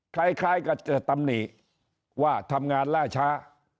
คล้ายกับจะตำหนิว่าทำงานล่าช้า